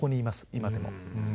今でも。